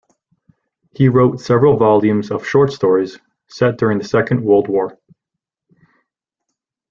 He wrote several volumes of short stories set during the Second World War.